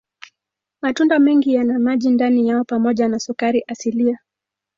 Matunda mengi yana maji ndani yao pamoja na sukari asilia.